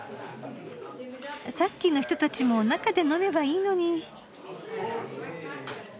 さっきの人たちも中で飲めばいいのに。